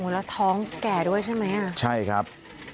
แล้วท้องแก่ด้วยใช่ไหมใช่ครับ